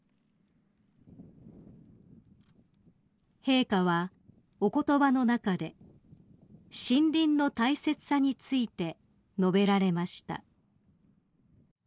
［陛下はお言葉の中で森林の大切さについて述べられました］